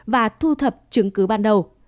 và thu thập chứng cứ ban đầu